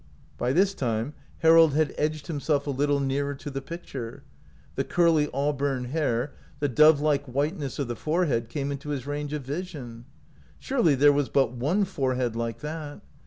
By this time Harold had edged himself a little nearer to the picture ; the curly auburn hair, the dove like whiteness of the fore head, came into his range of vision. Surely there was but one forehead like that